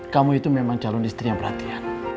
kamu itu memang calon istri yang perhatian